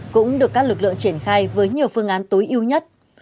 cũng được các lực lượng triển khai với nhiều phương án tối ưu nhất